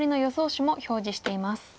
手も表示しています。